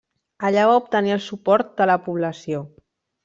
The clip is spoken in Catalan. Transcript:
Allà va obtenir el suport de la població.